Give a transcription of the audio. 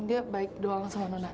dia baik doang sama nona